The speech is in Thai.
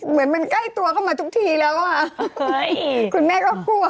เหมือนมันใกล้ตัวเข้ามาทุกทีแล้วอ่ะคุณแม่ก็กลัว